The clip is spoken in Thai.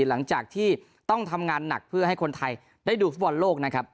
หลังจากที่ต้องทำงานหนักเพื่อให้คนไทยได้ดูฟุตบอลโลกนะครับ